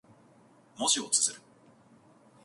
文字を綴る。